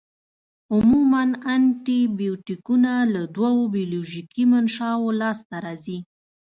عموماً انټي بیوټیکونه له دوو بیولوژیکي منشأوو لاس ته راځي.